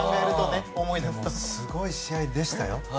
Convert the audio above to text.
すごい試合でしたよ。